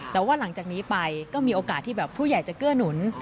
แต่ว่าหลังจากนี้ไปก็มีโอกาสที่แบบผู้ใหญ่จะเกื้อหนุน